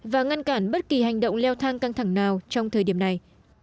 và ngăn cản bất kỳ hành động leo thang căng thẳng nào trong thời điểm này